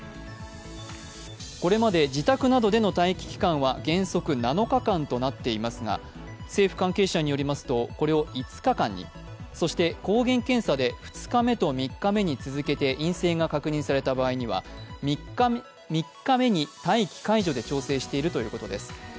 これまで自宅などでの待機期間は原則７日間となっていますが政府関係者によりますとこれを５日間に、そして、抗原検査で２日目と３日目、続けて陰性が確認された場合には３日目に待機解除で調整しているということです。